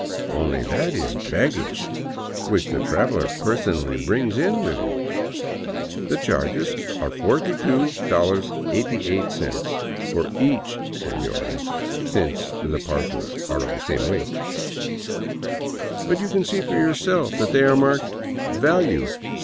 " Only that is baggage which the traveler personally brings in with him. The charges are $42.88 — for each, senores, since the parcels are of the same weight." " But you can see for yourself that they are marked ' Value $7.'